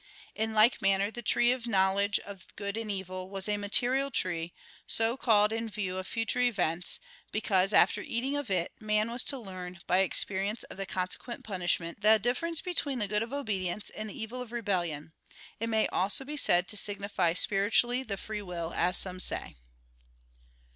In like manner the tree of the knowledge of good and evil was a material tree, so called in view of future events; because, after eating of it, man was to learn, by experience of the consequent punishment, the difference between the good of obedience and the evil of rebellion. It may also be said to signify spiritually the free will as some say.